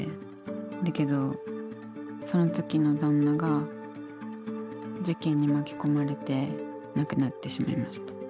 だけどその時の旦那が事件に巻き込まれて亡くなってしまいました。